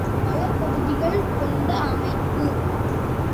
பல தொகுதிகள் கொண்ட அமைப்பு.